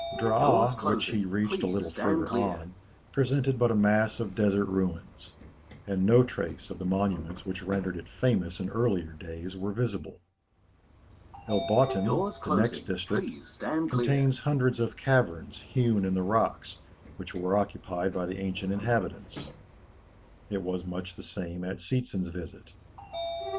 Draa which he reached a little farther on, presented but a mass of desert ruins; and no trace of the monuments which rendered it famous in earlier days, were visible. El Botthin, the next district, contains hundreds of caverns, hewn in the rocks, which were occupied by the ancient inhabitants. It was much the same at Seetzen's visit.